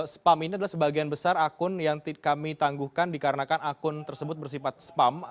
spam ini adalah sebagian besar akun yang kami tangguhkan dikarenakan akun tersebut bersifat spam